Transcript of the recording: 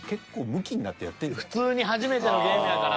結構普通に初めてのゲームやから。